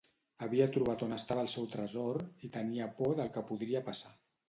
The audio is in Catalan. Havia trobat on estava el seu tresor i tenia por del que podria passar.